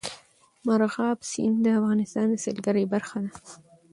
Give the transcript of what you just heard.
مورغاب سیند د افغانستان د سیلګرۍ برخه ده.